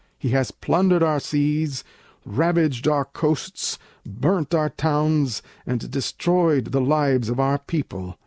He has plundered our seas, ravaged our Coasts, burnt our towns, and destroyed the lives of our people.